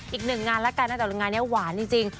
อีกหนึ่งงานแล้วกันนะแต่ว่างานนี้หวานจริง